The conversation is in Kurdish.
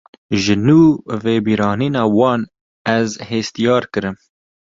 Ji nû ve bibîranîna wan, ez hestyar kirim